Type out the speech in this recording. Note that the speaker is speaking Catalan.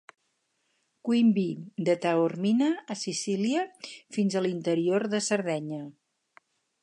Queen Bee, de Taormina, a Sicília, fins a l'interior de Sardenya.